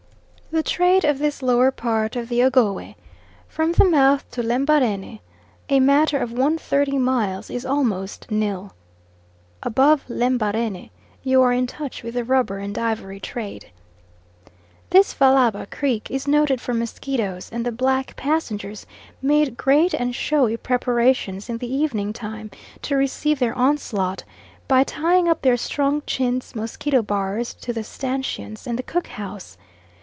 The trade of this lower part of the Ogowe, from the mouth to Lembarene, a matter of 130 miles, is almost nil. Above Lembarene, you are in touch with the rubber and ivory trade. This Fallaba creek is noted for mosquitoes, and the black passengers made great and showy preparations in the evening time to receive their onslaught, by tying up their strong chintz mosquito bars to the stanchions and the cook house.